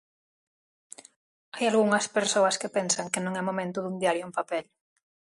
Hai algunhas persoas que pensan que non é momento dun diario en papel.